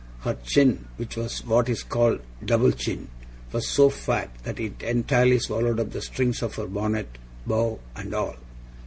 Her chin, which was what is called a double chin, was so fat that it entirely swallowed up the strings of her bonnet, bow and all.